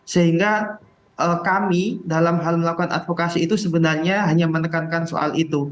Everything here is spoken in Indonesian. sehingga kami dalam hal melakukan advokasi itu sebenarnya hanya menekankan soal itu